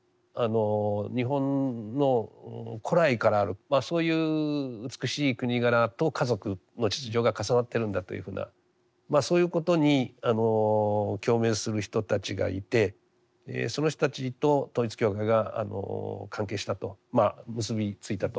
日本の古来からあるそういう美しい国柄と家族の秩序が重なってるんだというふうなそういうことに共鳴する人たちがいてその人たちと統一教会が関係したとまあ結び付いたと。